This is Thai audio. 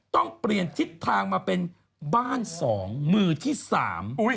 ต้องเปลี่ยนทิศทางมาเป็นบ้านสองมือที่สาม